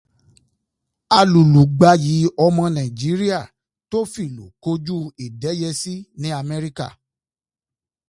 Alùlùgbayì ọmọ Nàíjíríà tó fìlù kojú ìdẹ́yẹsí ní Amẹ́ríkà.